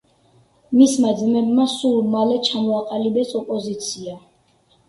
მისმა ძმებმა სულ მალე ჩამოაყალიბეს ოპოზიცია.